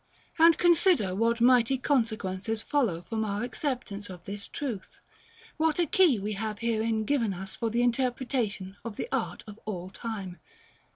And consider what mighty consequences follow from our acceptance of this truth! what a key we have herein given us for the interpretation of the art of all time!